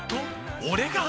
俺が！？